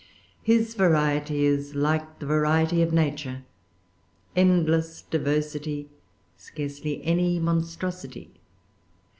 His variety is like the variety of nature, endless diversity, scarcely any monstrosity.